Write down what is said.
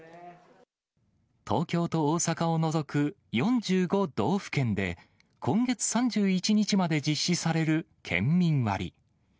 東京と大阪を除く４５道府県で今月３１日まで実施される県民割。